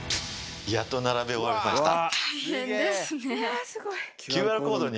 やっと並べ終わりました。